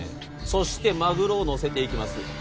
そしてマグロをのせていきます。